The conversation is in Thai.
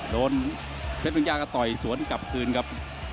โดนเพชรปัญญาก็ต่อยสวนกลับคืนครับ